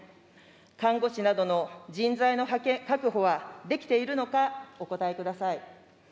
看護師などの人材の確保はできているのか、お答えください。